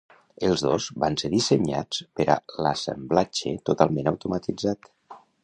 Els dos van ser dissenyats per a l'assemblatge totalment automatitzat.